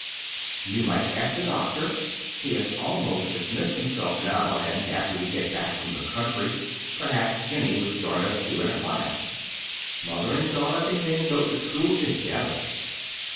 "You might ask the doctor. He has almost dismissed himself now; and after we get back from the country perhaps Jennie would join us two in a class. Mother and daughter can then go to school together."